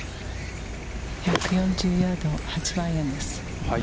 １４０ヤード、８番アイアンです。